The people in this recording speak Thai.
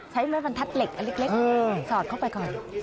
ใช้มือบันทัดเหล็กเล็กสอดเข้าไปก่อน